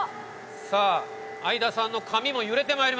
さあ相田さんの髪も揺れて参りました。